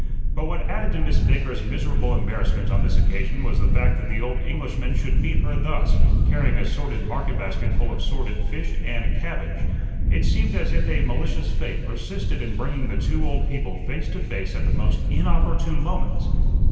But what added to Miss Baker's miserable embarrassment on this occasion was the fact that the old Englishman should meet her thus, carrying a sordid market basket full of sordid fish and cabbage. It seemed as if a malicious fate persisted in bringing the two old people face to face at the most inopportune moments.